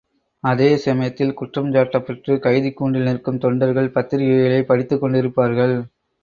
அதேசமயத்தில் குற்றங்சாட்டப் பெற்றுக் கைதிக் கூண்டில் நிற்கும் தொண்டர்கள் பத்திரிகைகளைப் படித்துக் கொண்டிருப்பார்கள்.